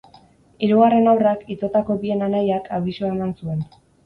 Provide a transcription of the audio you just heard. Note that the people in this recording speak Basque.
Hirugarren haurrak, itotako bien anaiak, abisua eman zuen.